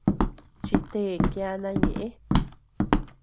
Chitee kiana ñeʼë.